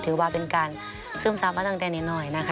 ถือว่าเป็นการซึมซับมาตั้งแต่นิดหน่อยนะคะ